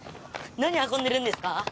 何運んでるんですか？